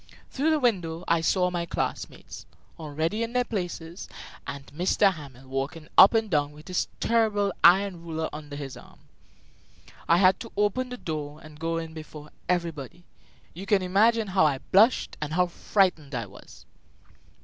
Through the window I saw my classmates, already in their places, and M. Hamel walking up and down with his terrible iron ruler under his arm. I had to open the door and go in before everybody. You can imagine how I blushed and how frightened I was.